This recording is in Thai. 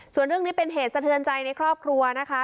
ส่วนเรื่องนี้เป็นเหตุสะเทือนใจในครอบครัวนะคะ